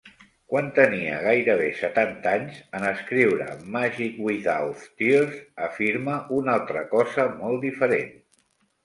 Quan tenia gairebé setanta anys, en escriure "Magick Without Tears" afirma una altra cosa molt diferent.